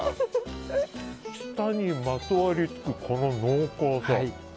舌にまとわりつく濃厚さ。